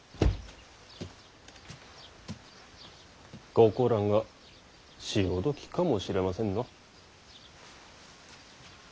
ここらが潮時かもしれませんな。